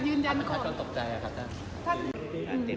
เรื่องการประทริศ